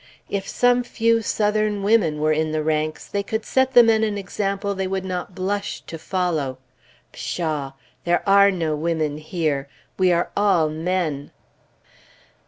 If some few Southern women were in the ranks, they could set the men an example they would not blush to follow. Pshaw! there are no women here! We are all men!